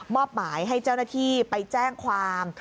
อบหมายให้เจ้าหน้าที่ไปแจ้งความ